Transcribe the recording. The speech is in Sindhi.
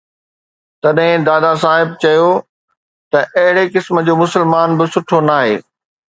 تڏهن دادا صاحب چيو ته اهڙي قسم جو مسلمان به سٺو ناهي